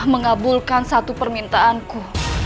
mengabulkan satu permintaanku